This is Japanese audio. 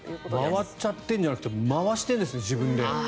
回っちゃってるんじゃなくて回しているんですね、自分で。